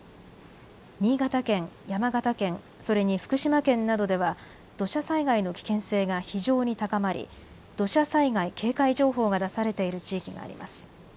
新潟県、山形県、それに福島県などでは土砂災害の危険性が非常に高まり土砂災害警戒情報が出されている地域があります。